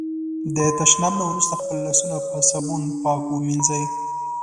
د تشناب نه وروسته خپل لاسونه په صابون پاک ومېنځی.